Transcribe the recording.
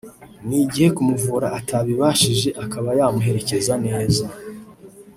n’igihe kumuvura atabibashije akaba yamuherekeza neza